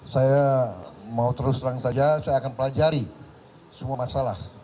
saya mau terus terang saja saya akan pelajari semua masalah